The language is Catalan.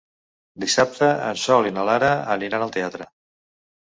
Dissabte en Sol i na Lara aniran al teatre.